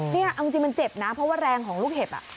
นี่เอาจริงมันเจ็บนะเพราะว่าแรงของลูกเห็บ